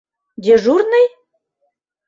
Дежурный?